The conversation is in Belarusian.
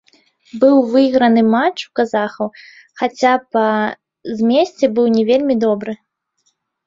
Быў выйграны матч у казахаў, хаця па змесце быў не вельмі добры.